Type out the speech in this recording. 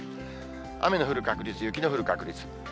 雨の降る確率、雪の降る確率。